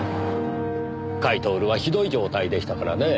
甲斐享はひどい状態でしたからねぇ。